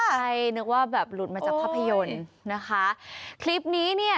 ใช่นึกว่าแบบหลุดมาจากภาพยนตร์นะคะคลิปนี้เนี่ย